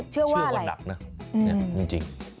เชื่อว่านักนะจริง